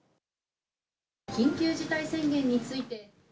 緊急事態宣言について。